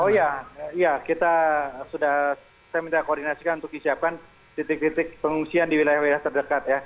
oh iya iya kita sudah saya minta koordinasikan untuk disiapkan titik titik pengungsian di wilayah wilayah terdekat ya